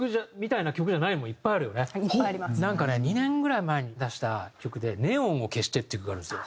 なんかね２年ぐらい前に出した曲で『ネオンを消して』っていう曲があるんですよ。